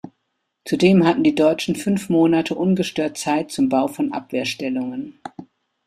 Zudem hatten die Deutschen fünf Monate ungestört Zeit zum Bau von Abwehrstellungen.